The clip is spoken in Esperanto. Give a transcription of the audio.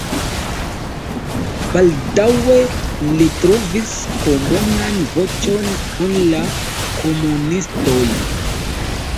Baldaŭe li trovis komunan voĉon kun la komunistoj.